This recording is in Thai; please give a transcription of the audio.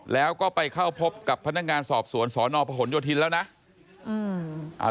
แล้วก็ไปเข้าพบกับพนักงานสอบสวนสนผลโยธินแล้วนะ